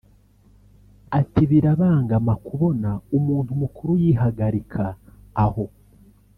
Ati “Birabangama kubona umuntu mukuru yihagarika aho